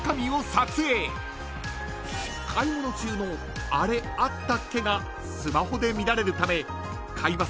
［買い物中の「あれあったっけ？」がスマホで見られるため］